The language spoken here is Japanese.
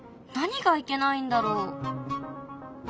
何がいけないんだろう？